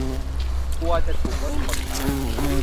กลัวจะถูกรถชนตาย